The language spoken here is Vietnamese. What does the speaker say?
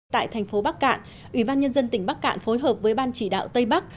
tại thành phố bắc cạn ủy ban nhân dân tỉnh bắc cạn phối hợp với ban chỉ đạo tây bắc